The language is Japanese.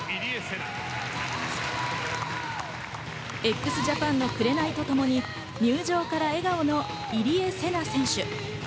ＸＪＡＰＡＮの『紅』とともに入場から笑顔の入江聖奈選手。